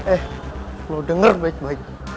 eh lo denger baik baik